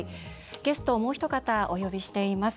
ゲストを、もうひと方お呼びしています。